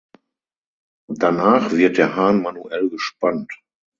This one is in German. Danach wird der Hahn manuell gespannt.